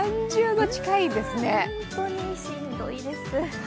本当にしんどいです。